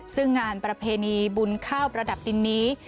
ซึ่งงานประเพณีบุญข้าวประดับดินนี้